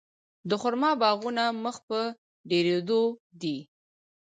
د خرما باغونه مخ په ډیریدو دي.